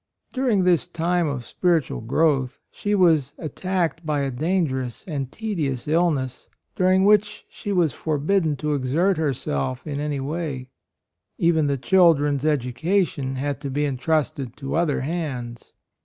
During this time of spiritual growth she was attacked by a dangerous and tedious illness, 38 A ROYAL SON during which she was forbidden to exert herself in any way ; even the children's education had to be entrusted to other hands.